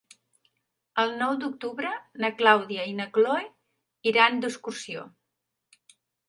El nou d'octubre na Clàudia i na Cloè iran d'excursió.